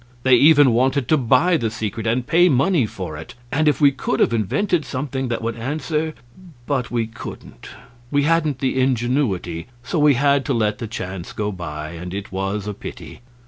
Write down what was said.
They even wanted to buy the secret, and pay money for it; and if we could have invented something that would answer but we couldn't; we hadn't the ingenuity, so we had to let the chance go by, and it was a pity.